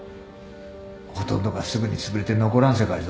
ほとんどがすぐにつぶれて残らん世界ぞ。